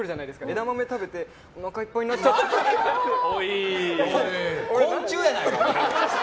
枝豆食べて、おなかいっぱいになっちゃったって。